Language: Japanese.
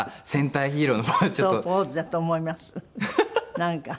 なんか。